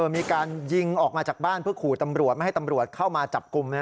มีการยิงออกมาจากบ้านเพื่อขู่ตำรวจไม่ให้ตำรวจเข้ามาจับกลุ่ม